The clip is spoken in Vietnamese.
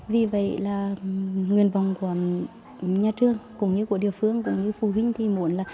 vì vậy nguyên vọng của nhà trường cũng như của địa phương cũng như phụ huynh muộn